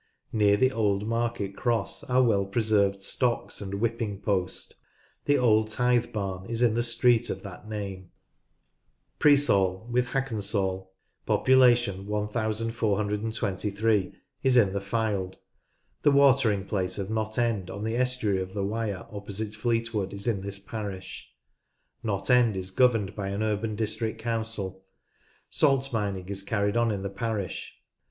Near the old market cross are well preserved stocks and whipping post. The old tithe barn is in the street of that name. Preesall with Hackensall (1423) is in the Fylde. The watering place of Knott End, on the estuary of the Wyre opposite Fleetwood, is in this parish. Knott End is governed by an urban district council. Salt mining is carried on in the parish.